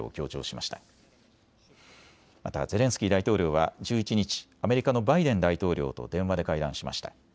またゼレンスキー大統領は１１日、アメリカのバイデン大統領と電話で会談しました。